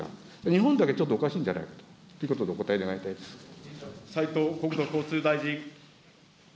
日本だけちょっとおかしいんじゃないかということで、お答え願い斉藤国土交通大臣。